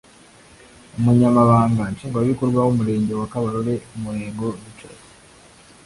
Umunyamabanga Nshingwabikorwa w'umurenge wa Kabarore Murego Richard